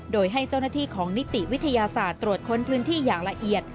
โดยให้เจ้าหน้าที่ของนิติวิทยาศาสตร์ตรวจค้นพื้นที่อย่างละเอียด